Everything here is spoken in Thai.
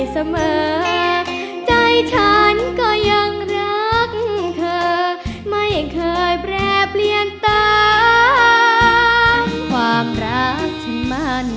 สวัสดีครับ